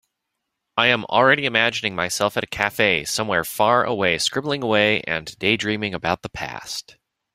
I am already imagining myself at a cafe somewhere far away, scribbling away and daydreaming about the past.